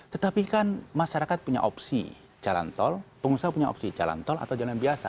tetapi kan masyarakat punya opsi jalan tol pengusaha punya opsi jalan tol atau jalan biasa